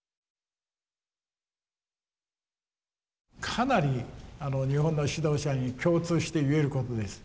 かなり日本の指導者に共通して言えることです。